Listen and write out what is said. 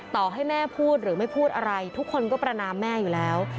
ต่อให้แม่พูดหรือไม่พูดอะไรทุกคนก็ประนามแม่อยู่แล้ว